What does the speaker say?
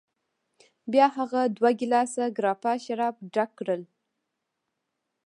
بیا هغه دوه ګیلاسه ګراپا شراب ډک کړل.